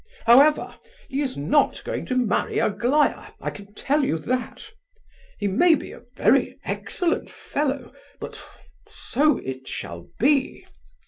However, he is not going to marry Aglaya, I can tell you that. He may be a very excellent fellow, but—so it shall be.